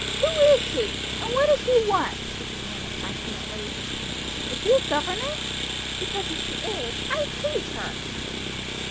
"Who is she? and what does she want?" she demanded passionately. "Is she a governess? Because, if she is, I hate her!"